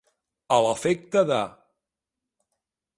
A l'efecte de.